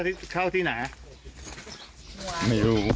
ตีเข้าที่ไหนอะ